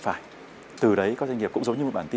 bước ba thì xử lý